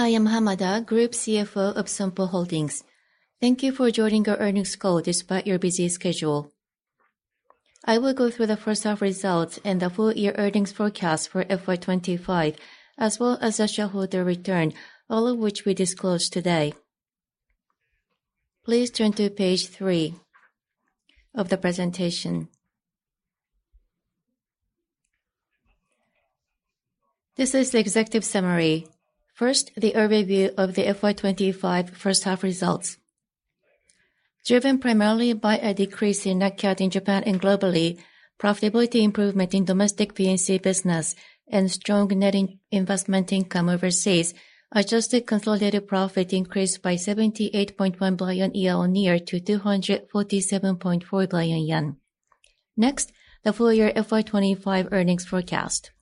Hi, I'm Hamada, Group CFO of Sompo Holdings. Thank you for joining our earnings call despite your busy schedule. I will go through the first half results and the full-year earnings forecast for FY2025, as well as the shareholder return, all of which we disclose today. Please turn to page 3 of the presentation. This is the executive summary. First, the overview of the FY2025 first half results. Driven primarily by a decrease in nat cat in Japan and globally, profitability improvement in domestic P&C business, and strong net investment income overseas, adjusted consolidated profit increased by 78.1 billion yen, near to 247.4 billion yen. Next, the full-year FY2025 earnings forecast.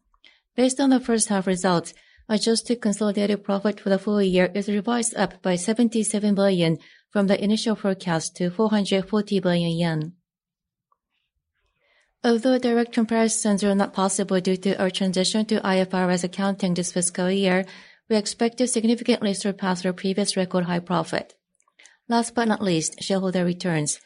Based on the first half results, adjusted consolidated profit for the full year is revised up by 77 billion from the initial forecast to 440 billion yen. Although direct comparisons are not possible due to our transition to IFRS accounting this fiscal year, we expect to significantly surpass our previous record high profit. Last but not least, shareholder returns.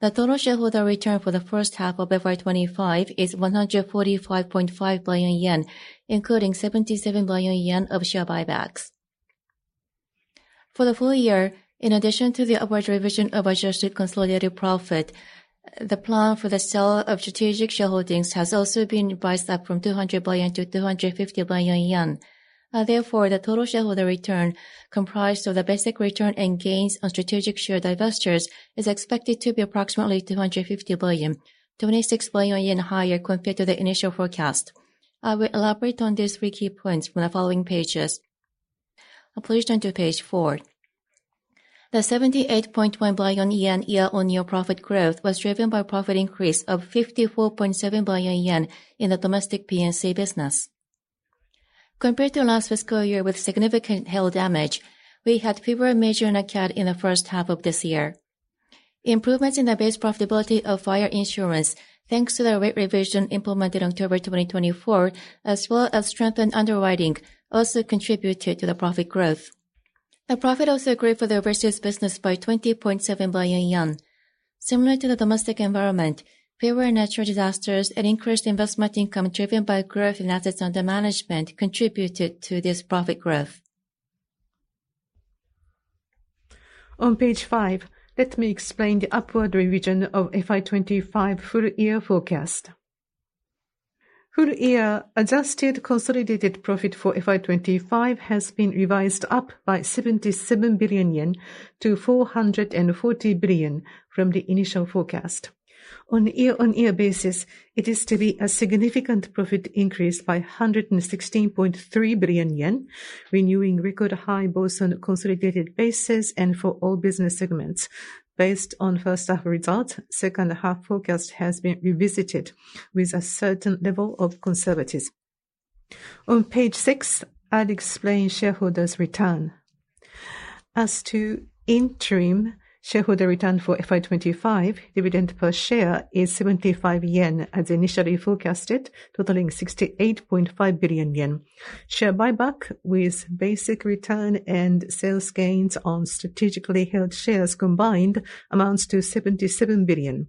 The total shareholder return for the first half of FY2025 is 145.5 billion yen, including 77 billion yen of share buybacks. For the full year, in addition to the average revision of adjusted consolidated profit, the plan for the sale of strategic shareholdings has also been revised up from 200 billion to 250 billion yen. Therefore, the total shareholder return, comprised of the basic return and gains on strategic share divestitures, is expected to be approximately 250 billion, 26 billion yen higher compared to the initial forecast. I will elaborate on these three key points from the following pages. Please turn to page 4. The 78.1 billion yen year-on-year profit growth was driven by profit increase of 54.7 billion yen in the domestic P&C business. Compared to last fiscal year with significant hail damage, we had fewer major nat cat in the first half of this year. Improvements in the base profitability of fire insurance, thanks to the rate revision implemented in October 2024, as well as strengthened underwriting, also contributed to the profit growth. The profit also grew for the overseas business by 20.7 billion yen. Similar to the domestic environment, fewer natural disasters and increased investment income driven by growth in assets under management contributed to this profit growth. On page 5, let me explain the upward revision of FY2025 full-year forecast. Full-year adjusted consolidated profit for FY2025 has been revised up by 77 billion yen to 440 billion from the initial forecast. On a year-on-year basis, it is to be a significant profit increase by 116.3 billion yen, renewing record high both on a consolidated basis and for all business segments. Based on first half results, second half forecast has been revisited with a certain level of conservatism. On page 6, I'll explain shareholders' return. As to interim shareholder return for FY2025, dividend per share is 75 yen as initially forecasted, totaling 68.5 billion yen. Share buyback with basic return and sales gains on strategically held shares combined amounts to 77 billion.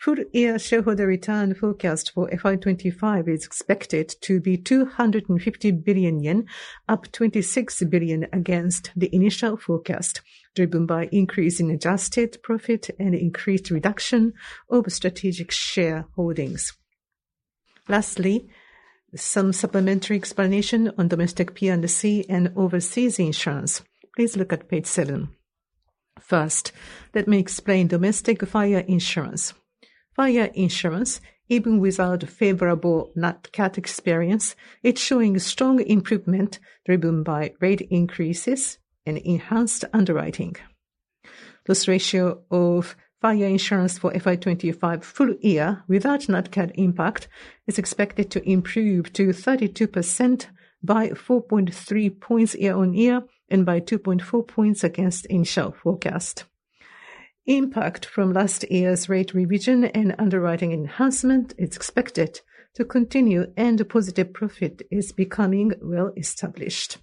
Full-year shareholder return forecast for FY2025 is expected to be 250 billion yen, up 26 billion against the initial forecast, driven by increase in adjusted profit and increased reduction of strategic share holdings. Lastly, some supplementary explanation on domestic P&C and overseas insurance. Please look at page 7. First, let me explain domestic fire insurance. Fire insurance, even without favorable nat cat experience, is showing strong improvement driven by rate increases and enhanced underwriting. Loss ratio of fire insurance for FY2025 full year without nat cat impact is expected to improve to 32% by 4.3 percentage points year-on-year and by 2.4 percentage points against initial forecast. Impact from last year's rate revision and underwriting enhancement is expected to continue, and positive profit is becoming well-established.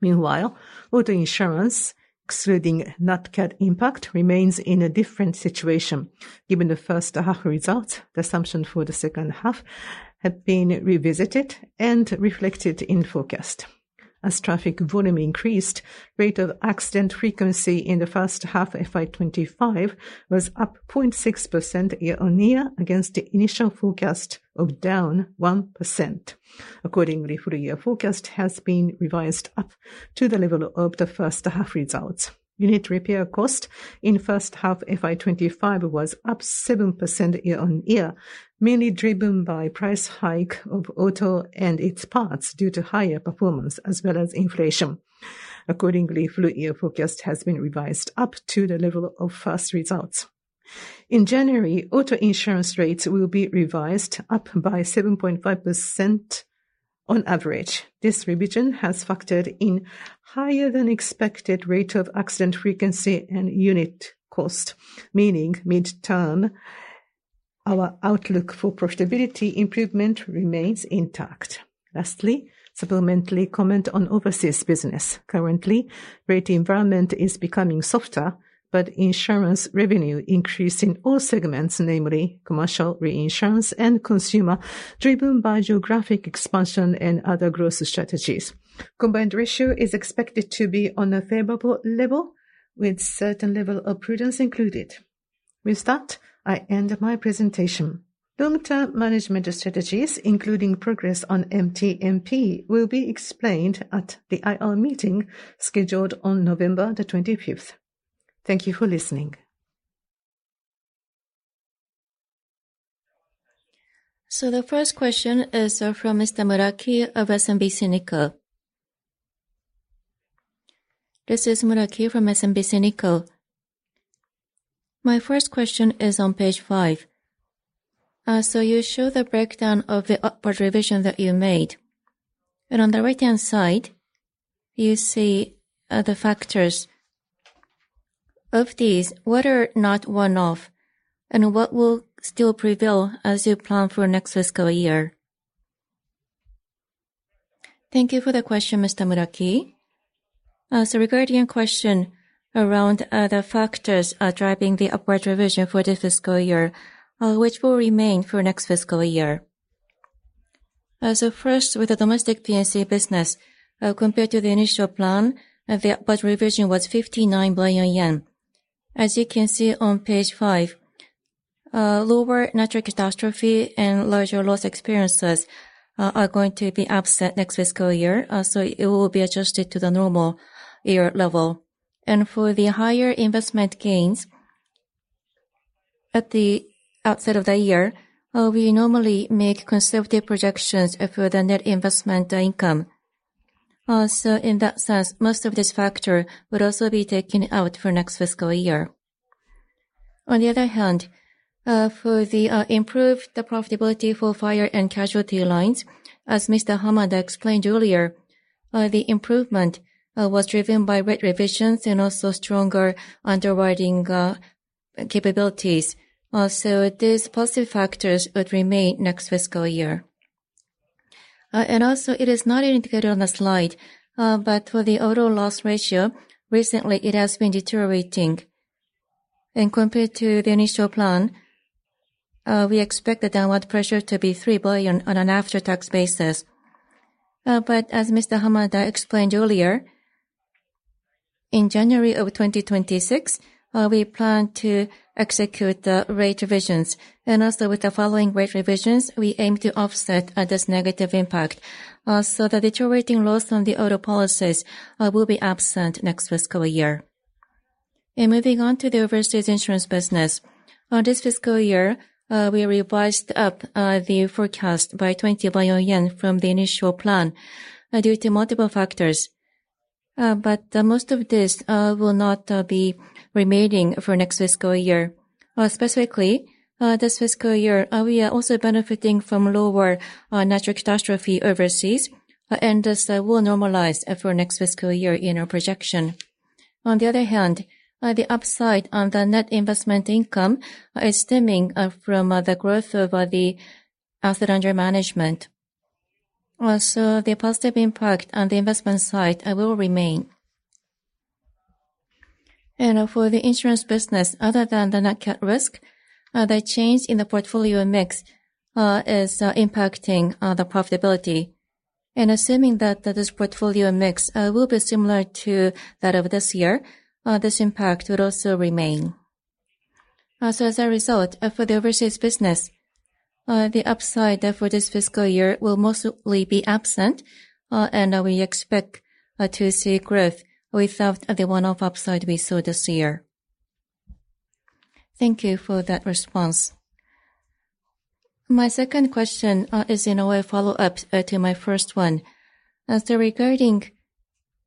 Meanwhile, auto insurance, excluding nat cat impact, remains in a different situation. Given the first half result, the assumption for the second half had been revisited and reflected in forecast. As traffic volume increased, rate of accident frequency in the first half of FY2025 was up 0.6% year-on-year against the initial forecast of down 1%. Accordingly, full-year forecast has been revised up to the level of the first half results. Unit repair cost in first half FY2025 was up 7% year-on-year, mainly driven by price hike of auto and its parts due to higher performance as well as inflation. Accordingly, full-year forecast has been revised up to the level of first results. In January, auto insurance rates will be revised up by 7.5% on average. This revision has factored in higher-than-expected rate of accident frequency and unit cost, meaning midterm our outlook for profitability improvement remains intact. Lastly, supplementary comment on overseas business. Currently, rate environment is becoming softer, but insurance revenue increasing all segments, namely commercial reinsurance and consumer, driven by geographic expansion and other growth strategies. Combined ratio is expected to be on a favorable level, with certain level of prudence included. With that, I end my presentation. Long-term management strategies, including progress on MTMP, will be explained at the IR meeting scheduled on November 25. Thank you for listening. The first question is from Mr. Muraki of SMBC Nikko. This is Muraki from SMBC Nikko. My first question is on page 5. You show the breakdown of the upward revision that you made. On the right-hand side, you see the factors of these, what are not one-off and what will still prevail as you plan for next fiscal year. Thank you for the question, Mr. Muraki. Regarding your question around the factors driving the upward revision for this fiscal year, which will remain for next fiscal year. First, with the domestic P&C business, compared to the initial plan, the upward revision was 59 billion yen. As you can see on page 5, lower natural catastrophe and larger loss experiences are going to be absent next fiscal year, so it will be adjusted to the normal year level. For the higher investment gains at the outset of the year, we normally make conservative projections for the net investment income. In that sense, most of this factor would also be taken out for next fiscal year. On the other hand, for the improved profitability for fire and casualty lines, as Mr. Hamada explained earlier, the improvement was driven by rate revisions and also stronger underwriting capabilities. These positive factors would remain next fiscal year. It is not indicated on the slide, but for the auto loss ratio, recently it has been deteriorating. Compared to the initial plan, we expect the downward pressure to be 3 billion on an after-tax basis. As Mr. Hamada explained earlier, in January 2026, we plan to execute the rate revisions. With the following rate revisions, we aim to offset this negative impact. The deteriorating loss on the auto policies will be absent next fiscal year. Moving on to the overseas insurance business, this fiscal year, we revised up the forecast by 20 billion yen from the initial plan due to multiple factors. Most of this will not be remaining for next fiscal year. Specifically, this fiscal year, we are also benefiting from lower natural catastrophe overseas, and this will normalize for next fiscal year in our projection. On the other hand, the upside on the net investment income is stemming from the growth of the asset under management. The positive impact on the investment side will remain. For the insurance business, other than the nat cat risk, the change in the portfolio mix is impacting the profitability. Assuming that this portfolio mix will be similar to that of this year, this impact would also remain. As a result, for the overseas business, the upside for this fiscal year will mostly be absent, and we expect to see growth without the one-off upside we saw this year. Thank you for that response. My second question is in a way a follow-up to my first one. Regarding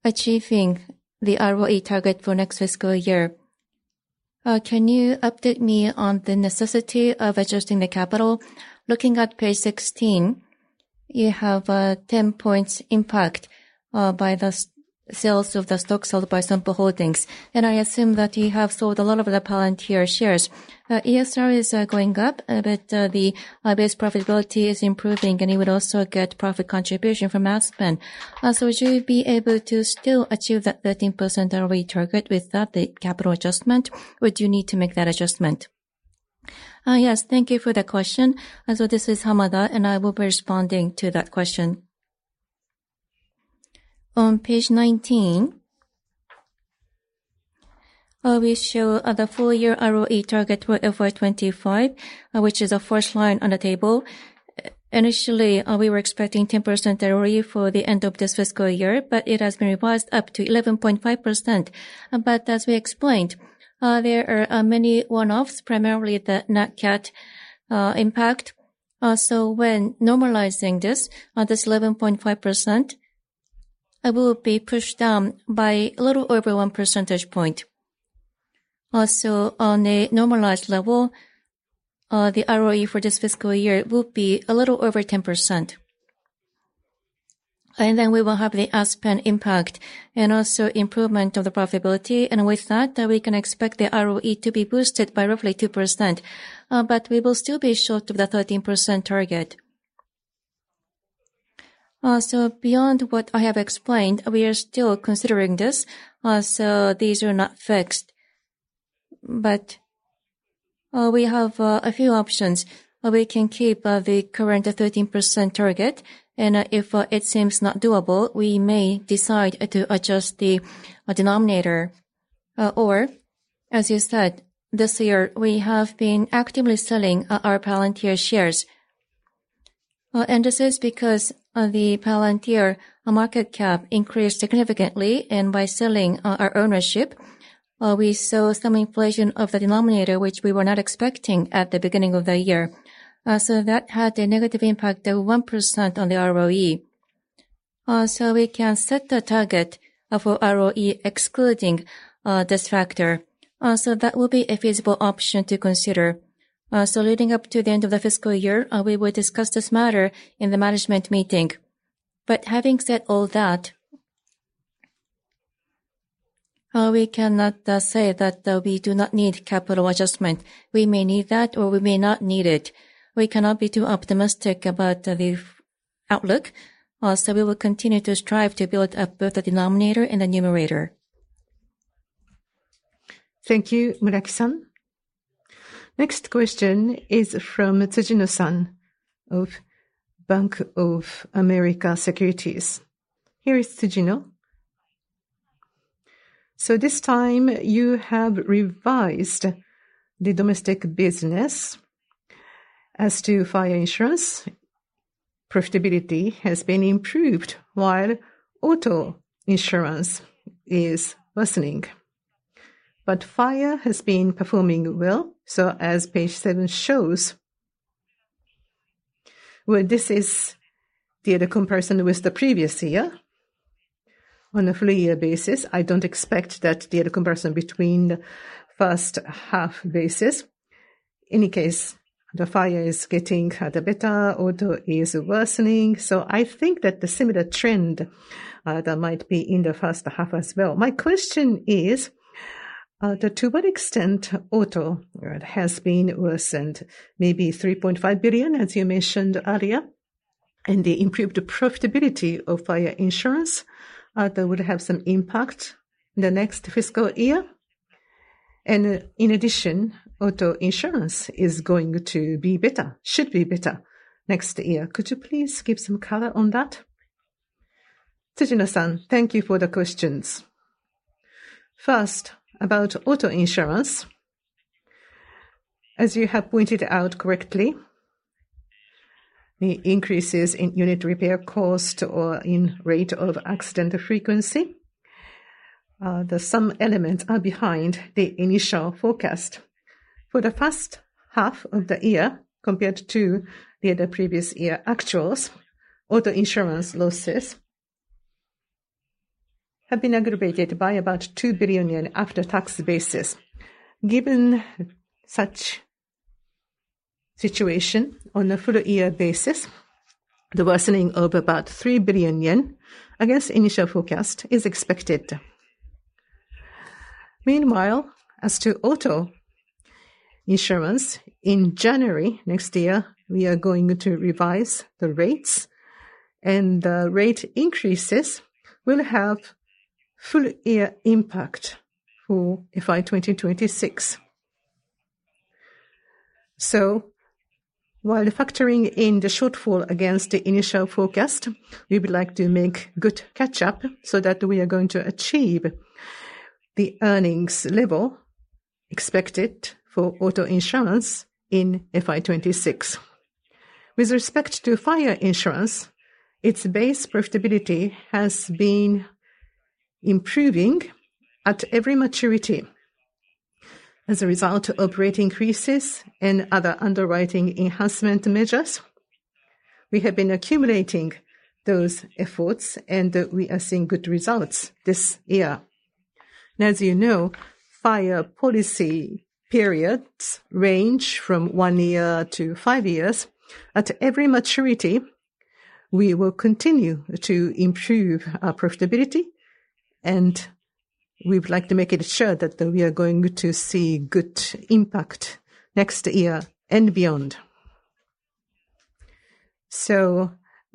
achieving the ROE target for next fiscal year, can you update me on the necessity of adjusting the capital? Looking at page 16, you have a 10-point impact by the sales of the stock sold by Sompo Holdings. I assume that you have sold a lot of the Palantir shares. ESR is going up, but the base profitability is improving, and you would also get profit contribution from ad spend. Would you be able to still achieve that 13% ROE target without the capital adjustment, or do you need to make that adjustment? Yes, thank you for the question. This is Hamada, and I will be responding to that question. On page 19, we show the full-year ROE target for FY2025, which is the first line on the table. Initially, we were expecting 10% ROE for the end of this fiscal year, but it has been revised up to 11.5%. As we explained, there are many one-offs, primarily the nat cat impact. When normalizing this, this 11.5% will be pushed down by a little over 1 percentage point. On a normalized level, the ROE for this fiscal year will be a little over 10%. We will have the ad spend impact and also improvement of the profitability. With that, we can expect the ROE to be boosted by roughly 2%. We will still be short of the 13% target. Beyond what I have explained, we are still considering this. These are not fixed. We have a few options. We can keep the current 13% target, and if it seems not doable, we may decide to adjust the denominator. As you said, this year, we have been actively selling our Palantir shares. This is because the Palantir market cap increased significantly, and by selling our ownership, we saw some inflation of the denominator, which we were not expecting at the beginning of the year. That had a negative impact of 1% on the ROE. We can set the target for ROE excluding this factor. That will be a feasible option to consider. Leading up to the end of the fiscal year, we will discuss this matter in the management meeting. Having said all that, we cannot say that we do not need capital adjustment. We may need that, or we may not need it. We cannot be too optimistic about the outlook. We will continue to strive to build up both the denominator and the numerator. Thank you, Muraki-san. Next question is from Tsujino-san of Bank of America Securities. Here is Tsujino. This time, you have revised the domestic business as to fire insurance. Profitability has been improved, while auto insurance is worsening. Fire has been performing well, as page 7 shows. This is the comparison with the previous year. On a full-year basis, I do not expect that the comparison between the first half basis. In any case, the fire is getting better, auto is worsening. I think that the similar trend that might be in the first half as well. My question is, to what extent auto has been worsened? Maybe 3.5 billion, as you mentioned earlier. The improved profitability of fire insurance, that would have some impact in the next fiscal year. In addition, auto insurance is going to be better, should be better next year. Could you please give some color on that? Tsujino-san, thank you for the questions. First, about auto insurance. As you have pointed out correctly, the increases in unit repair cost or in rate of accident frequency, some elements are behind the initial forecast. For the first half of the year, compared to the previous year actuals, auto insurance losses have been aggravated by about 2 billion yen after-tax basis. Given such situation, on a full-year basis, the worsening of about 3 billion yen against initial forecast is expected. Meanwhile, as to auto insurance, in January next year, we are going to revise the rates, and the rate increases will have full-year impact for FY2026. While factoring in the shortfall against the initial forecast, we would like to make good catch-up so that we are going to achieve the earnings level expected for auto insurance in FY2026. With respect to fire insurance, its base profitability has been improving at every maturity. As a result of rate increases and other underwriting enhancement measures, we have been accumulating those efforts, and we are seeing good results this year. As you know, fire policy periods range from one year to five years. At every maturity, we will continue to improve our profitability, and we would like to make it sure that we are going to see good impact next year and beyond.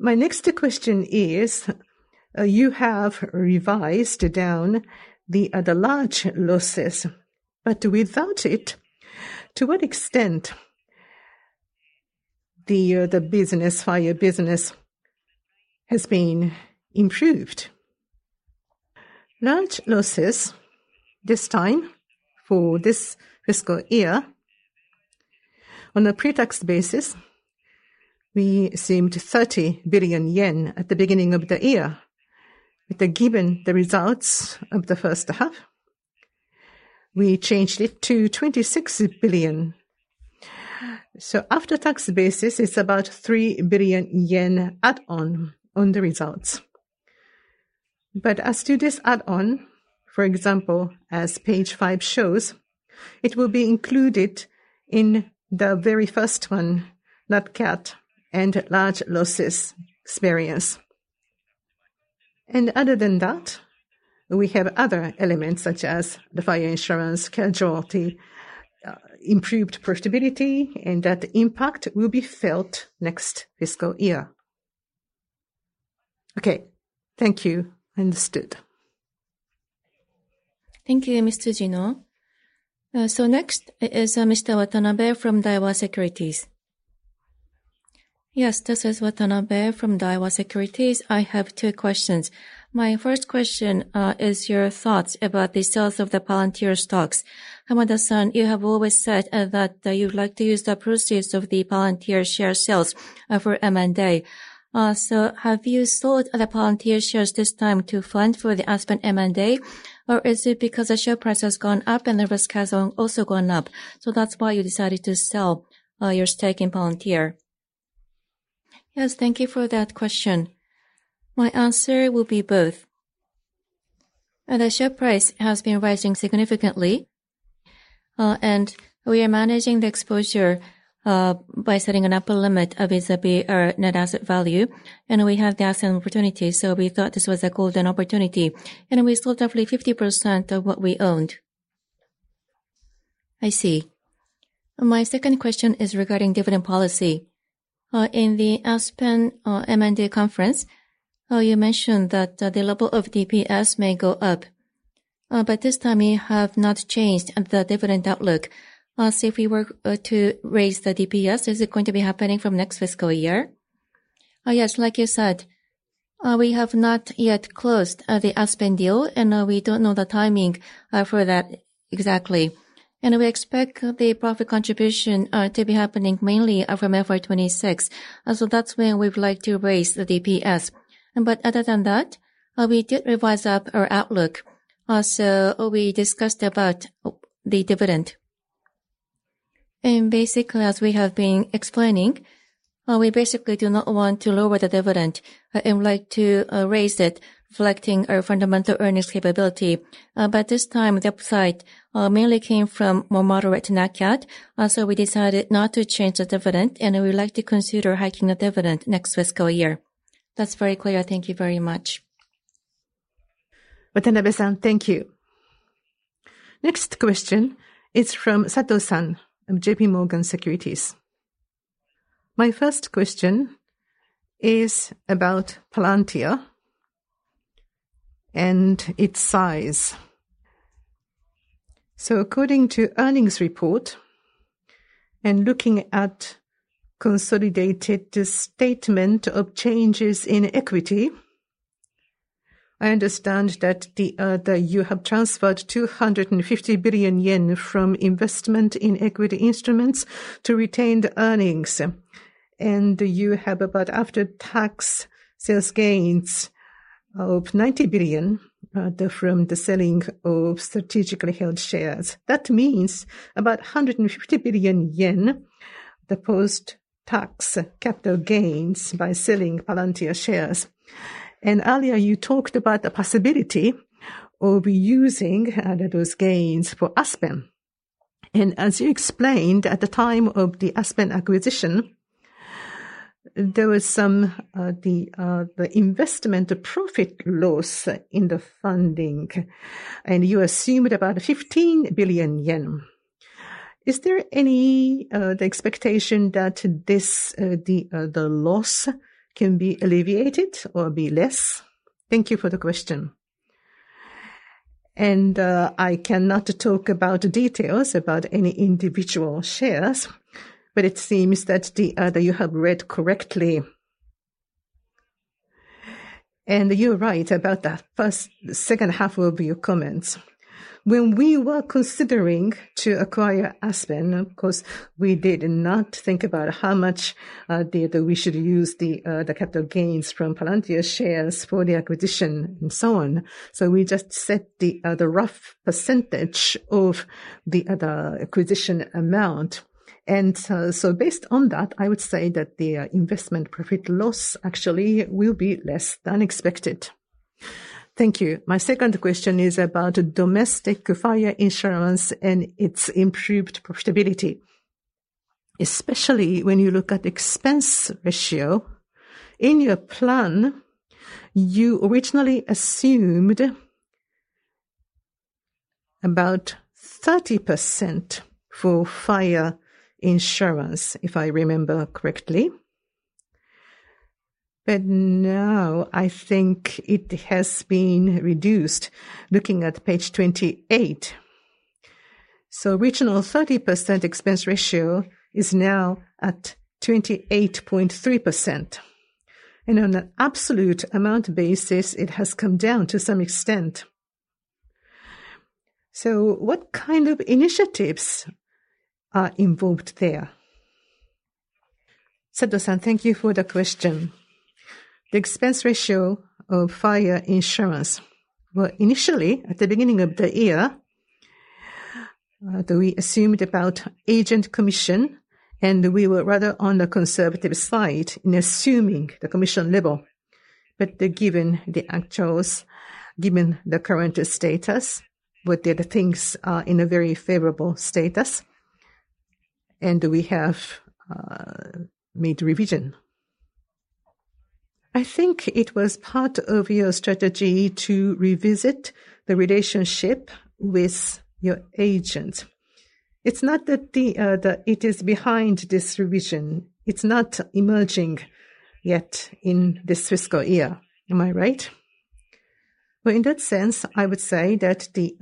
My next question is, you have revised down the other large losses, but without it, to what extent the business, fire business, has been improved? Large losses this time for this fiscal year, on a pre-tax basis, we seemed 30 billion yen at the beginning of the year. Given the results of the first half, we changed it to 26 billion. After-tax basis, it's about 3 billion yen add-on on the results. As to this add-on, for example, as page 5 shows, it will be included in the very first one, net cat and large losses variance. Other than that, we have other elements such as the fire insurance casualty, improved profitability, and that impact will be felt next fiscal year. Thank you. Understood. Thank you, Ms. Tsujino. Next is Mr. Watanabe from Daiwa Securities. Yes, this is Watanabe from Daiwa Securities. I have two questions. My first question is your thoughts about the sales of the Palantir stocks. Hamada-san, you have always said that you'd like to use the proceeds of the Palantir share sales for M&A. Have you sold the Palantir shares this time to fund for the ad spend M&A, or is it because the share price has gone up and the risk has also gone up? That is why you decided to sell your stake in Palantir? Yes, thank you for that question. My answer will be both. The share price has been rising significantly, and we are managing the exposure by setting an upper limit vis-à-vis our net asset value. We have the asset opportunity. We thought this was a golden opportunity. We sold roughly 50% of what we owned. I see. My second question is regarding dividend policy. In the ad spend M&A conference, you mentioned that the level of DPS may go up. This time, we have not changed the dividend outlook. If we were to raise the DPS, is it going to be happening from next fiscal year? Yes, like you said, we have not yet closed the ad spend deal, and we do not know the timing for that exactly. We expect the profit contribution to be happening mainly from FY 2026. That is when we would like to raise the DPS. Other than that, we did revise up our outlook. We discussed the dividend. Basically, as we have been explaining, we do not want to lower the dividend. We would like to raise it, reflecting our fundamental earnings capability. This time, the upside mainly came from more moderate nat cat. We decided not to change the dividend, and we would like to consider hiking the dividend next fiscal year. That is very clear. Thank you very much. Watanabe-san, thank you. Next question is from Sato-san of JP Morgan Securities. My first question is about Palantir and its size. According to earnings report and looking at consolidated statement of changes in equity, I understand that you have transferred 250 billion yen from investment in equity instruments to retained earnings. You have about after-tax sales gains of 90 billion from the selling of strategically held shares. That means about 150 billion yen post-tax capital gains by selling Palantir shares. Earlier, you talked about the possibility of using those gains for ad spend. As you explained, at the time of the ad spend acquisition, there was some investment profit loss in the funding, and you assumed about 15 billion yen. Is there any expectation that the loss can be alleviated or be less? Thank you for the question. I cannot talk about details about any individual shares, but it seems that you have read correctly. You are right about the first second half of your comments. When we were considering to acquire ad spend, of course, we did not think about how much we should use the capital gains from Palantir shares for the acquisition and so on. We just set the rough percentage of the acquisition amount. Based on that, I would say that the investment profit loss actually will be less than expected. Thank you. My second question is about domestic fire insurance and its improved profitability, especially when you look at the expense ratio. In your plan, you originally assumed about 30% for fire insurance, if I remember correctly. Now, I think it has been reduced, looking at page 28. Original 30% expense ratio is now at 28.3%. On an absolute amount basis, it has come down to some extent. What kind of initiatives are involved there? Sato-san, thank you for the question. The expense ratio of fire insurance, initially, at the beginning of the year, we assumed about agent commission, and we were rather on the conservative side in assuming the commission level. Given the actuals, given the current status, things are in a very favorable status, and we have made revision. I think it was part of your strategy to revisit the relationship with your agent. It is not that it is behind this revision. It is not emerging yet in this fiscal year. Am I right? In that sense, I would say that the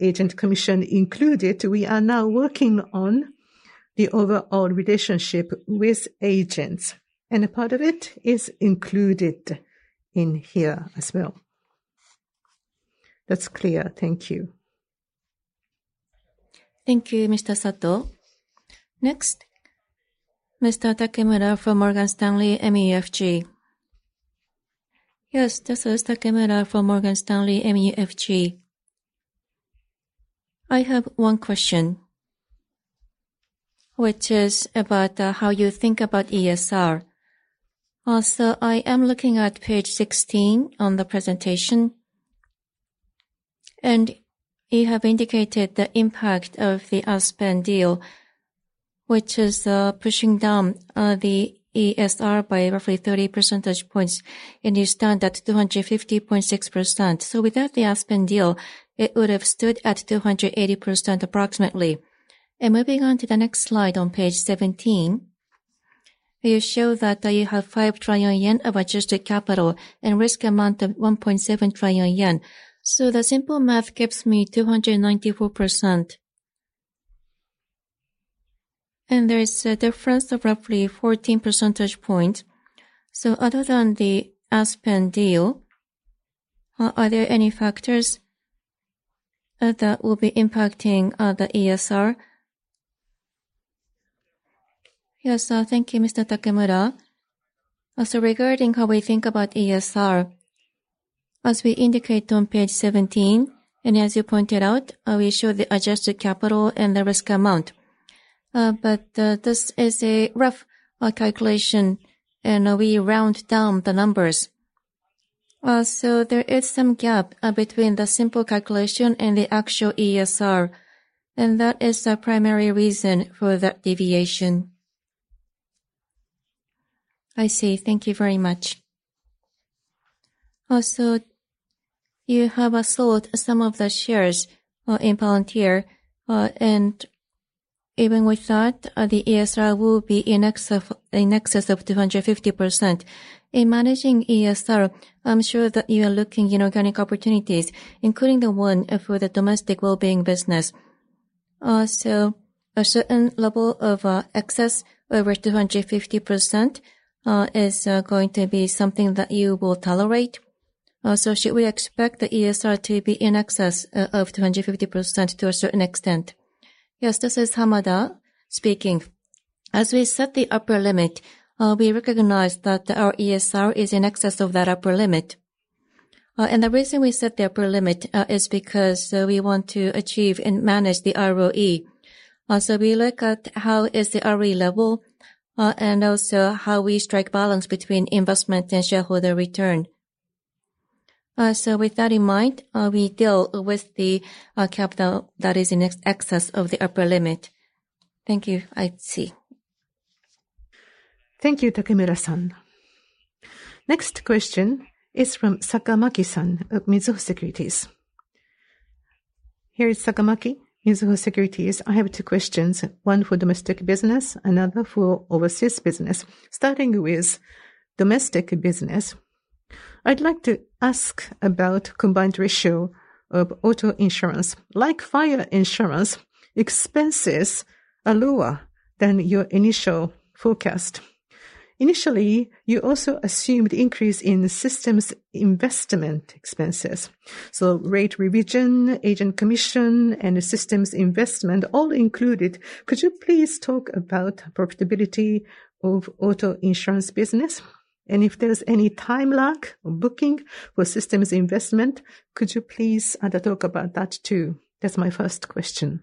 agent commission included, we are now working on the overall relationship with agents. A part of it is included in here as well. That is clear. Thank you. Thank you, Mr. Sato. Next, Mr. Takemura from Morgan Stanley MUFG. Yes, this is Takemura from Morgan Stanley MUFG. I have one question, which is about how you think about ESR. I am looking at page 16 on the presentation, and you have indicated the impact of the ad spend deal, which is pushing down the ESR by roughly 30 percentage points. You stand at 250.6%. Without the ad spend deal, it would have stood at 280% approximately. Moving on to the next slide on page 17, you show that you have 5 trillion yen of adjusted capital and risk amount of 1.7 trillion yen. The simple math gives me 294%. There is a difference of roughly 14 percentage points. Other than the ad spend deal, are there any factors that will be impacting the ESR? Yes, thank you, Mr. Takemura. Regarding how we think about ESR, as we indicate on page 17, and as you pointed out, we show the adjusted capital and the risk amount. This is a rough calculation, and we round down the numbers. There is some gap between the simple calculation and the actual ESR. That is the primary reason for that deviation. I see. Thank you very much. Also, you have sold some of the shares in Palantir. Even with that, the ESR will be in excess of 250%. In managing ESR, I am sure that you are looking in organic opportunities, including the one for the domestic well-being business. A certain level of excess over 250% is going to be something that you will tolerate. Should we expect the ESR to be in excess of 250% to a certain extent? Yes, this is Hamada speaking. As we set the upper limit, we recognize that our ESR is in excess of that upper limit. The reason we set the upper limit is because we want to achieve and manage the ROE. We look at how is the ROE level and also how we strike balance between investment and shareholder return. With that in mind, we deal with the capital that is in excess of the upper limit. Thank you. I see. Thank you, Takemura-san. Next question is from Sakamaki-san of Mizuho Securities. Here is Sakamaki, Mizuho Securities. I have two questions, one for domestic business, another for overseas business. Starting with domestic business, I'd like to ask about the combined ratio of auto insurance. Like fire insurance, expenses are lower than your initial forecast. Initially, you also assumed an increase in systems investment expenses. Rate revision, agent commission, and systems investment all included. Could you please talk about the profitability of the auto insurance business? If there's any time lag or booking for systems investment, could you please talk about that too? That's my first question.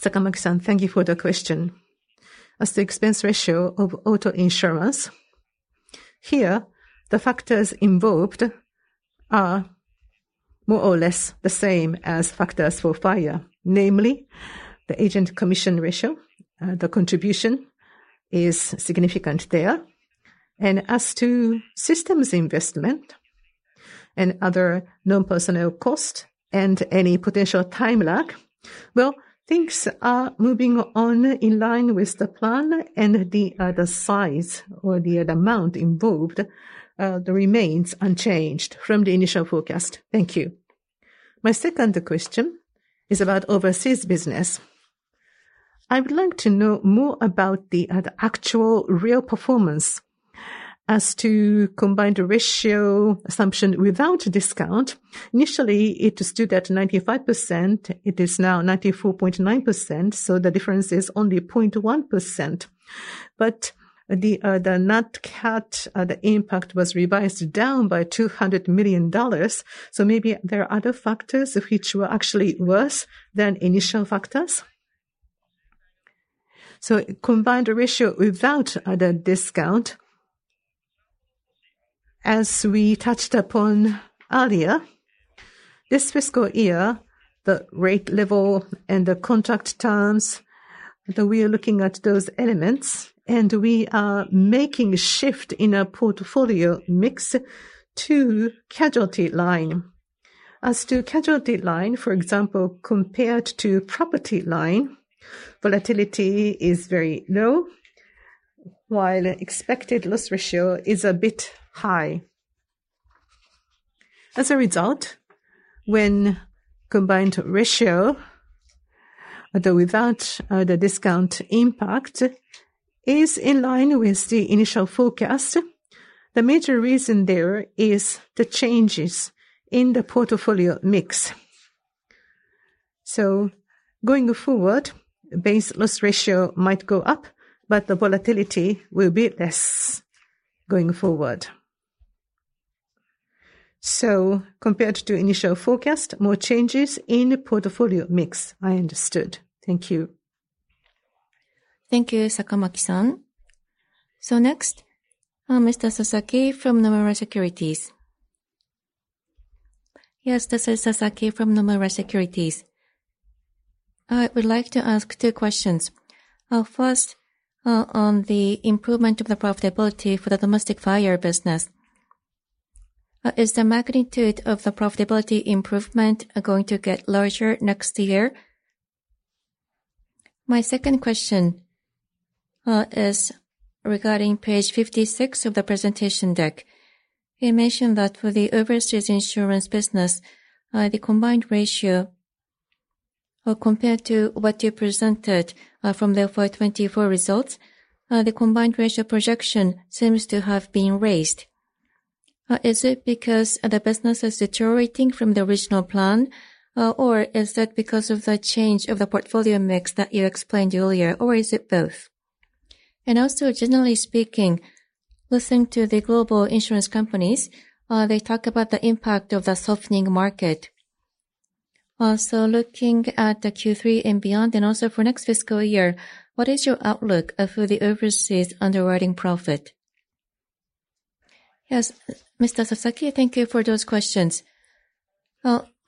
Sakamaki-san, thank you for the question. As the expense ratio of auto insurance, here, the factors involved are more or less the same as factors for fire, namely the agent commission ratio. The contribution is significant there. As to systems investment and other non-personnel costs and any potential time lag, things are moving on in line with the plan, and the size or the amount involved remains unchanged from the initial forecast. Thank you. My second question is about overseas business. I would like to know more about the actual real performance as to the combined ratio assumption without discount. Initially, it stood at 95%. It is now 94.9%. The difference is only 0.1%. The net cut, the impact was revised down by $200 million. Maybe there are other factors which were actually worse than initial factors. Combined ratio without the discount, as we touched upon earlier, this fiscal year, the rate level and the contract terms, we are looking at those elements, and we are making a shift in our portfolio mix to the casualty line. As to the casualty line, for example, compared to the property line, volatility is very low, while the expected loss ratio is a bit high. As a result, when combined ratio, without the discount impact, is in line with the initial forecast, the major reason there is the changes in the portfolio mix. Going forward, the base loss ratio might go up, but the volatility will be less going forward. Compared to the initial forecast, more changes in the portfolio mix, I understood. Thank you. Thank you, Sakamaki-san. Next, Mr. Sasaki from Nomura Securities. Yes, this is Sasaki from Nomura Securities. I would like to ask two questions. First, on the improvement of the profitability for the domestic fire business. Is the magnitude of the profitability improvement going to get larger next year? My second question is regarding page 56 of the presentation deck. You mentioned that for the overseas insurance business, the combined ratio, compared to what you presented from the FY2024 results, the combined ratio projection seems to have been raised. Is it because the business is deteriorating from the original plan, or is that because of the change of the portfolio mix that you explained earlier, or is it both? Also, generally speaking, listening to the global insurance companies, they talk about the impact of the softening market. Looking at Q3 and beyond, and also for next fiscal year, what is your outlook for the overseas underwriting profit? Yes, Mr. Sasaki, thank you for those questions.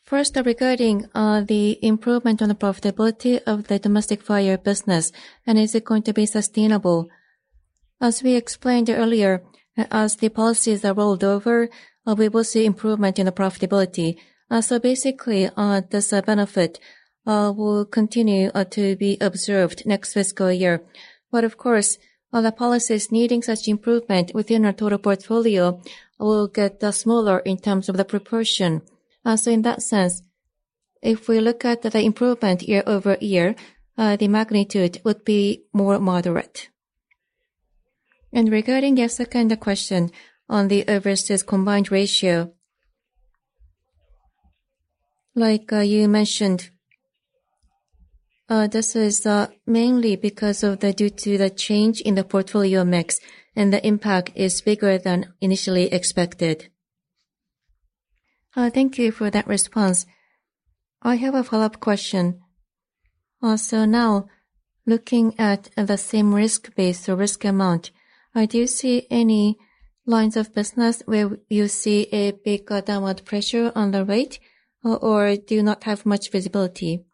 First, regarding the improvement on the profitability of the domestic fire business, and is it going to be sustainable? As we explained earlier, as the policies are rolled over, we will see improvement in the profitability. Basically, this benefit will continue to be observed next fiscal year. Of course, the policies needing such improvement within our total portfolio will get smaller in terms of the proportion. In that sense, if we look at the improvement year-over-year, the magnitude would be more moderate. Regarding your second question on the overseas combined ratio, like you mentioned, this is mainly because of the change in the portfolio mix, and the impact is bigger than initially expected. Thank you for that response. I have a follow-up question. Now, looking at the same risk base or risk amount, do you see any lines of business where you see a bigger downward pressure on the rate, or do you not have much visibility?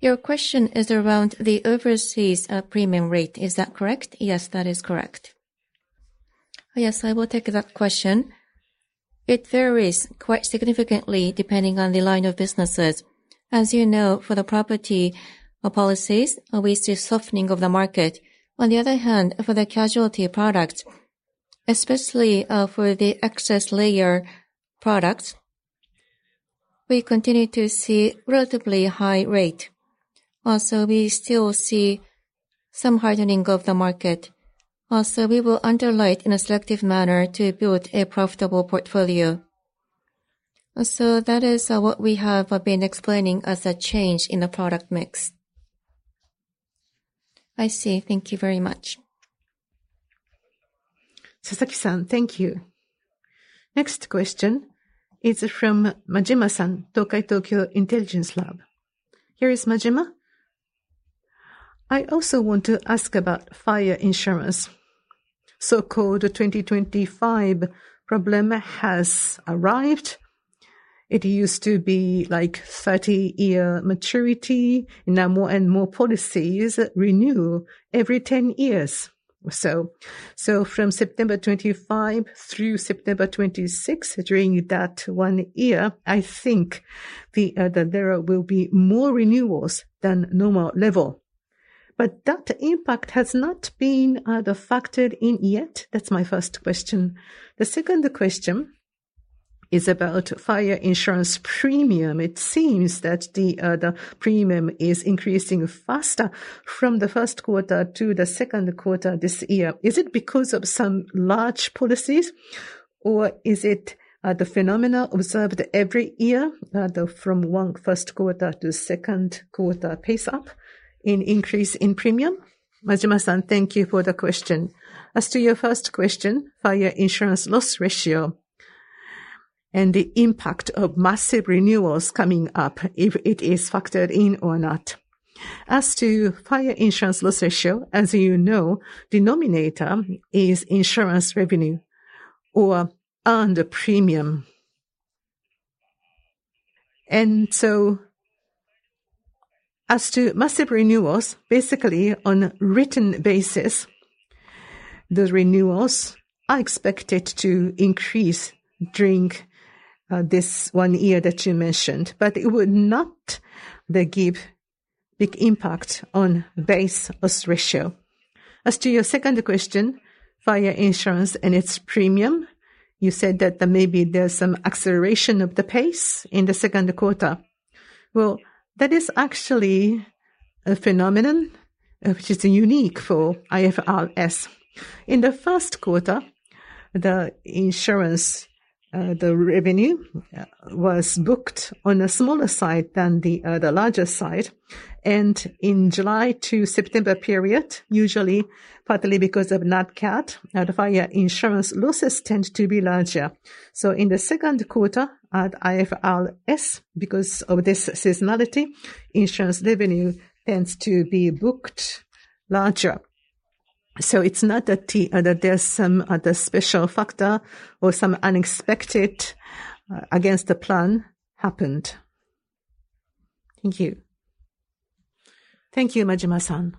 Your question is around the overseas premium rate. Is that correct? Yes, that is correct. Yes, I will take that question. It varies quite significantly depending on the line of businesses. As you know, for the property policies, we see softening of the market. On the other hand, for the casualty products, especially for the excess layer products, we continue to see a relatively high rate. We still see some hardening of the market. We will underwrite in a selective manner to build a profitable portfolio. That is what we have been explaining as a change in the product mix. I see. Thank you very much. Sasaki-san, thank you. Next question is from Majima-san, Tokai Tokyo Intelligence Lab. Here is Majima. I also want to ask about fire insurance. The so-called 2025 problem has arrived. It used to be like 30-year maturity. Now, more and more policies renew every 10 years. From September 2025 through September 2026, during that one year, I think that there will be more renewals than normal level. That impact has not been factored in yet. That is my first question. The second question is about fire insurance premium. It seems that the premium is increasing faster from the first quarter to the second quarter this year. Is it because of some large policies, or is it the phenomena observed every year from one first quarter to second quarter pace-up in increase in premium? Majima-san, thank you for the question. As to your first question, fire insurance loss ratio and the impact of massive renewals coming up, if it is factored in or not. As to fire insurance loss ratio, as you know, the denominator is insurance revenue or earned premium. As to massive renewals, basically on a written basis, the renewals are expected to increase during this one year that you mentioned, but it would not give a big impact on the base loss ratio. As to your second question, fire insurance and its premium, you said that maybe there's some acceleration of the pace in the second quarter. That is actually a phenomenon which is unique for IFRS. In the first quarter, the insurance revenue was booked on a smaller side than the larger side. In the July to September period, usually partly because of nat cat, the fire insurance losses tend to be larger. In the second quarter at IFRS, because of this seasonality, insurance revenue tends to be booked larger. It is not that there's some special factor or some unexpected against the plan happened. Thank you. Thank you, Majima-san.